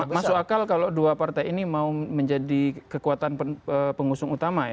masuk akal kalau dua partai ini mau menjadi kekuatan pengusung utama ya